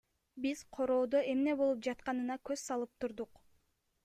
Биз короодо эмне болуп жатканына көз салып турдук.